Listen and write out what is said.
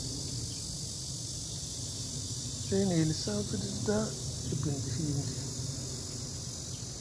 Day nʼe hilisi aŋ fiɗi ɗa e bindi hiiniɗi.